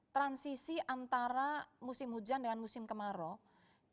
transisi antara musim hujan dengan musim kemarau